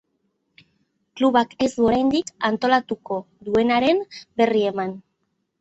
Klubak ez du oraindik antolatuko duenaren berri eman.